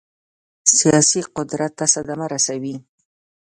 سیاسي قدرت ته صدمه ورسوي.